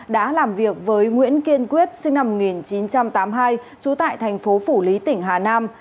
đã làm việc với nguyễn kiên quyết sinh năm một nghìn chín trăm tám mươi hai trú tại thành phố phủ lý tỉnh hà nam